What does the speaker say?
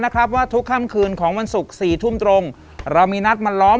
นะครับว่าทุกค่ำคืนของวันศุกร์สี่ทุ่มตรงเรามีนัดมาล้อม